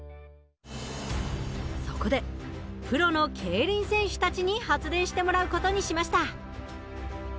そこでプロの競輪選手たちに発電してもらう事にしました。